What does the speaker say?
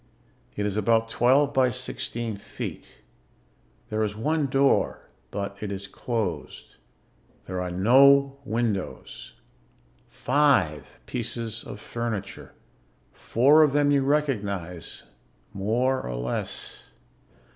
It is about twelve by sixteen feet. There is one door, but it is closed. There are no windows. Five pieces of furniture. Four of them you recognize more or less.